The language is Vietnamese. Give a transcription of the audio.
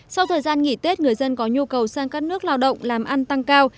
sau thời gian nghỉ tết người dân có nhu cầu sang các nước lao động làm ăn tăng cao